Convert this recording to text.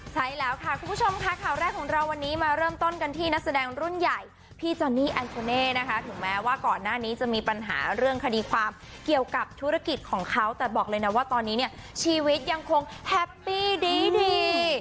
ใช่แล้วค่ะคุณผู้ชมค่ะข่าวแรกของเราวันนี้มาเริ่มต้นกันที่นักแสดงรุ่นใหญ่พี่จอนนี่แอนโชเน่นะคะถึงแม้ว่าก่อนหน้านี้จะมีปัญหาเรื่องคดีความเกี่ยวกับธุรกิจของเขาแต่บอกเลยนะว่าตอนนี้เนี่ยชีวิตยังคงแฮปปี้ดี